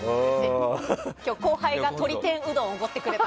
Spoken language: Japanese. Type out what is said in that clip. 今日、後輩が鶏天うどんをおごってくれた。